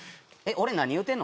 俺何言うてんの？